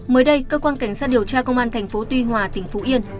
mới đây cơ quan cảnh sát điều tra công an tp tuy hòa tỉnh phú yên